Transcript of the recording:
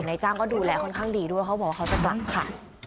นายจ้างก็ดูแลค่อนข้างดีด้วยเขาบอกว่าเขาจะกลับค่ะ